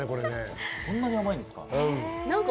そんなに甘いんですか？